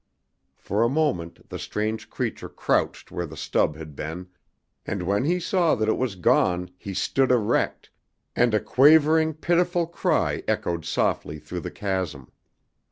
For a moment the strange creature crouched where the stub had been, and when he saw that it was gone he stood erect, and a quavering, pitiful cry echoed softly through the chasm.